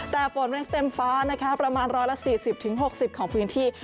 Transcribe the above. แต่ฝนเร็งเต็มฟ้าประมาณร้อยละ๔๐๖๐ของพื้นที่